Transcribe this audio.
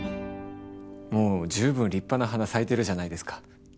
もう十分立派な花咲いてるじゃないですか。